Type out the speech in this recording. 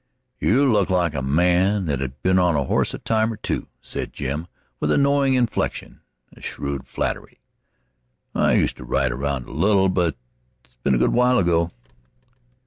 "You look like a man that'd been on a horse a time or two," said Jim, with a knowing inflection, a shrewd flattery. "I used to ride around a little, but that's been a good while ago."